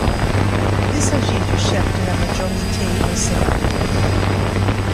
Il s'agit du chef de la majorité au sénat.